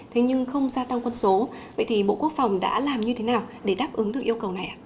thế nhưng không gia tăng quân số vậy thì bộ quốc phòng đã làm như thế nào để đáp ứng được yêu cầu này ạ